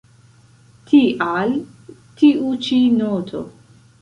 Tial tiu ĉi noto.